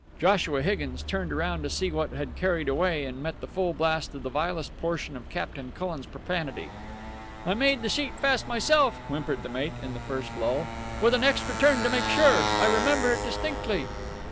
Joshua Higgins turned around to see what had carried away, and met the full blast of the vilest portion of Captain Cullen's profanity. "I made the sheet fast myself," whimpered the mate in the first lull, "with an extra turn to make sure. I remember it distinctly."